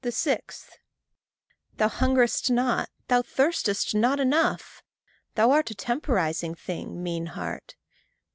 6. Thou hungerest not, thou thirstest not enough. Thou art a temporizing thing, mean heart.